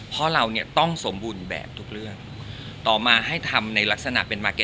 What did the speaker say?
เพราะเราเนี่ยต้องสมบูรณ์แบบทุกเรื่องต่อมาให้ทำในลักษณะเป็นมาร์เก็